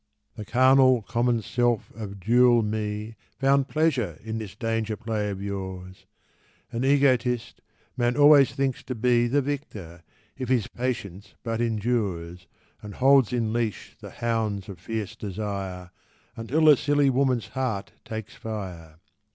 The carnal, common self of dual me Found pleasure in this danger play of yours. (An egotist, man always thinks to be The victor, if his patience but endures, And holds in leash the hounds of fierce desire, Until the silly woman's heart takes fire.)